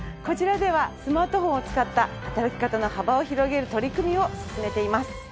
こちらではスマートフォンを使った働き方の幅を広げる取り組みを進めています。